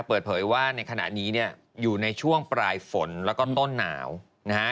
เปิดเผยว่าในขณะนี้เนี่ยอยู่ในช่วงปลายฝนแล้วก็ต้นหนาวนะฮะ